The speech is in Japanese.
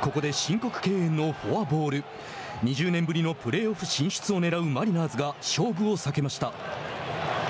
ここで申告敬遠のフォアボール２０年ぶりのプレーオフ進出をねらうマリナーズが勝負を避けました。